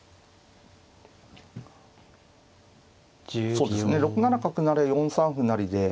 そうですね６七角成４三歩成で。